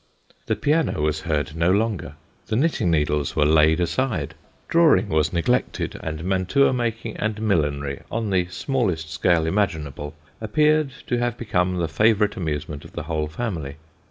The piano was heard no longer, the knitting needles were laid aside, drawing was neglected, and mantua making and millinery, on the smallest scale imaginable, appeared to have become the favourite amusement of the whole family.